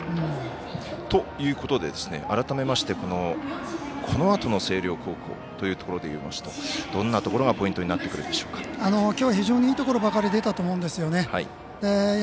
ということで改めましてこのあとの星稜高校というところでいいますとどんなところがポイントにきょうは非常にいいところばかり出たと思うんですよね。